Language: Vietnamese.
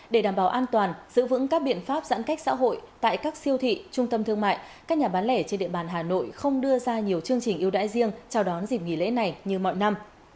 để đảm bảo an toàn giữ vững các biện pháp giãn cách xã hội tại các siêu thị trung tâm thương mại các nhà bán lẻ trên địa bàn hà nội không đưa ra nhiều chương trình ưu đãi riêng chào đón dịp nghỉ lễ này như mọi năm